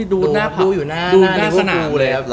ดูอยู่หน้าสนามเลย